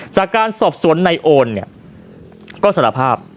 จากการสอบสวนในโอนเนี่ยก็สารภาพ